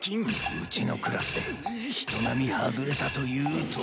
うちのクラスで人並み外れたというと。